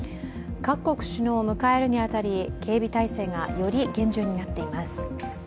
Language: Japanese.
各国首脳を迎えるに当たり、警備態勢がより厳重になっています。